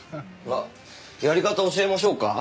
やり方教えましょうか？